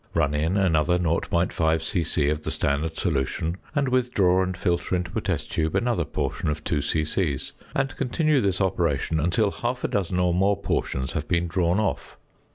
Run in another 0.5 c.c. of the standard solution, and withdraw and filter into a test tube another portion of 2 c.c.; and continue this operation until half a dozen or more portions have been drawn off.